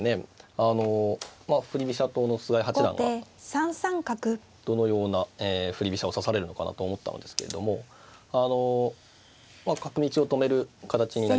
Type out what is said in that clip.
あの振り飛車党の菅井八段はどのような振り飛車を指されるのかなと思ったのですけれどもあの角道を止める形になりましたね。